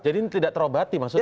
jadi ini tidak terobati maksudnya